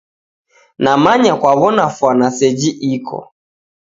Namanya kwaw'ona fwana seji iko.